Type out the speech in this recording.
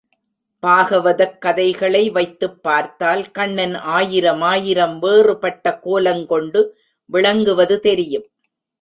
பாகவதக் கதைகளை வைத்துப் பார்த்தால் கண்ணன் ஆயிரமாயிரம் வேறுபட்ட கோலங் கொண்டு விளங்குவது தெரியும்.